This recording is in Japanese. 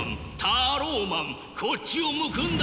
タローマンこっちを向くんだ。